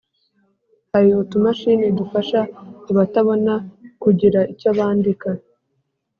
Hari utumashini dufasha abatabona kugira icyo bandika